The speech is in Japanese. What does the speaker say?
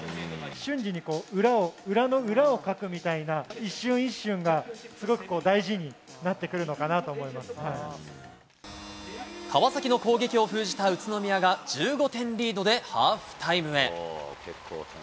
瞬時に裏の裏をかくみたいな、一瞬一瞬がすごく大事になってく川崎の攻撃を封じた宇都宮が、１５点リードでハーフタイムへ。